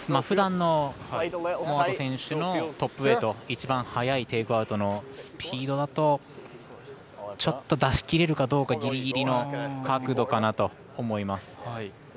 ふだんのモアト選手のトップウエイト一番速いテイクアウトのスピードだとちょっと出しきれるかどうかギリギリの角度かなと思います。